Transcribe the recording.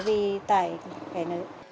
vì kẻ này